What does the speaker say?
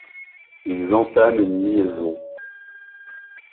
Ils entament une liaison.